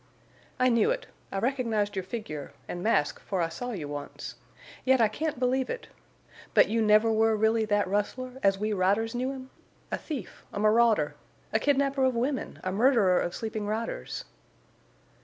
"I knew it—I recognized your figure—and mask, for I saw you once. Yet I can't believe it!... But you never were really that rustler, as we riders knew him? A thief—a marauder—a kidnapper of women—a murderer of sleeping riders!"